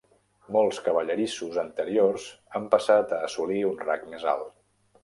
Molts cavallerissos anteriors han passat a assolir un rang més alt.